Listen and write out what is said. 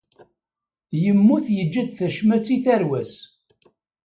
Yemmut yeǧǧa-d tacmat i tarwa-s.